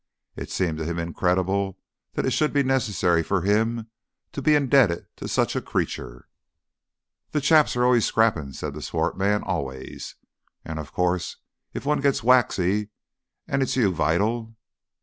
It seemed to him incredible that it should be necessary for him to be indebted to such a creature. "The chaps are always scrapping," said the swart man. "Always. And, of course if one gets waxy and 'its you vital